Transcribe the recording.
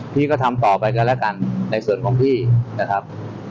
พี่ก็ทำต่อไปกันแล้วกันในส่วนของพี่นะครับ